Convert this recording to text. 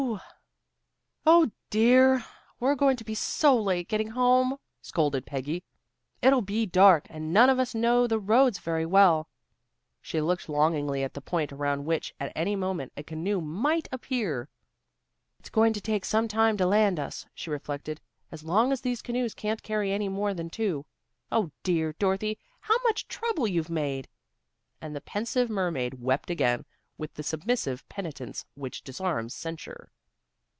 "Oh, dear! We're going to be so late getting home," scolded Peggy. "It'll be dark, and none of us know the roads very well." She looked longingly at the point around which at any moment a canoe might appear. "It's going to take some time to land us," she reflected, "as long as these canoes can't carry any more than two. Oh, dear, Dorothy! How much trouble you've made." And the pensive mermaid wept again, with the submissive penitence which disarms censure.